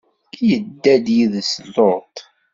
Idda-d yid-s Luṭ.